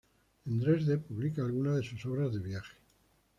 En Dresde publica algunas de sus obras de viaje.